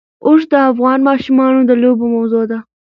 اوښ د افغان ماشومانو د لوبو موضوع ده.